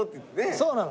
そうなの。